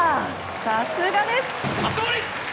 さすがです。